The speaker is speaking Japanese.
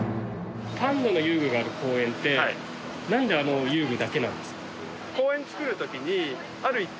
パンダの遊具がある公園ってなんであの遊具だけなんですか？